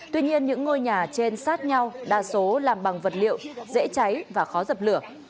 tuy nhiên những ngôi nhà trên sát nhau đa số làm bằng vật liệu dễ cháy và khó dập lửa